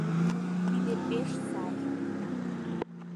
Тиде пеш сай.